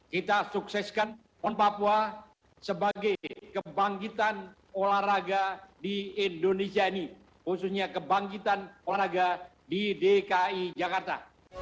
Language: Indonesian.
kita sukseskan pon papua sebagai kebangkitan olahraga di indonesia ini khususnya kebangkitan olahraga di dki jakarta